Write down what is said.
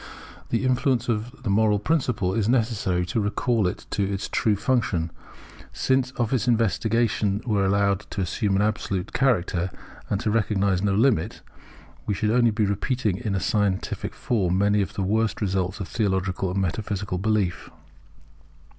The influence of the moral principle is necessary to recall it to its true function; since if its investigations were allowed to assume an absolute character, and to recognize no limit, we should only be repeating in a scientific form many of the worst results of theological and metaphysical belief.